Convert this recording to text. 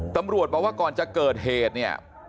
ตำรวจบอกว่าก่อนจะเกิดเหตุเนี่ย